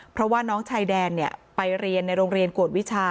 เพราะว่าน้องชายแดนไปเรียนในโรงเรียนกวดวิชา